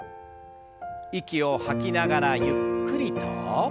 息を吐きながらゆっくりと。